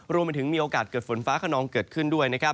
รวมไปถึงมีโอกาสเกิดฝนฟ้าขนองเกิดขึ้นด้วยนะครับ